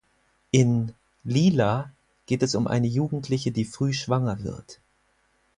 In "Lila" geht es um eine Jugendliche, die früh schwanger wird.